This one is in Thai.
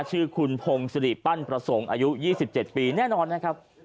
ชื่อคุณพงศิริปั้นประสงค์อายุ๒๗ปีแน่นอนนะครับ